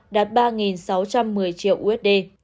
đạt ba sáu trăm một mươi triệu usd